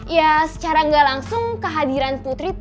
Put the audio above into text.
ya secara ga langsung kehadiran putri tuh